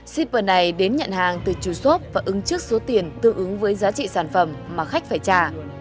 shipper này đến nhận hàng từ chù shop và ứng trước số tiền tương ứng với giá trị sản phẩm mà khách phải trả